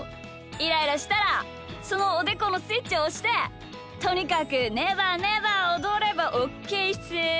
イライラしたらそのおでこのスイッチをおしてとにかくねばねばおどればオッケーっす。